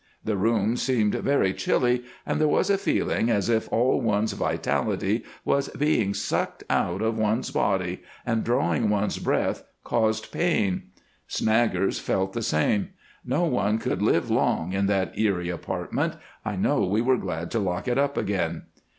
The room seemed very chilly, and there was a feeling as if all one's vitality was being sucked out of one's body, and drawing one's breath caused pain. Snaggers felt the same. No one could live long in that eerie apartment. I know we were glad to lock it up again.